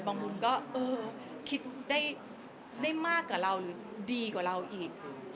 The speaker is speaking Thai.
มุมก็เออคิดได้มากกว่าเราดีกว่าเราอีก